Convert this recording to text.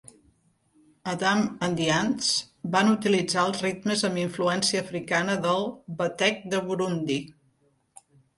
Adam and the Ants van utilitzar els ritmes amb influència africana del "batec de Burundi".